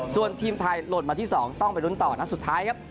ส่วนทีมไทยหล่นมาที่๒ต้องไปลุ้นต่อนัดสุดท้ายครับ